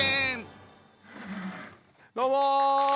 どうも！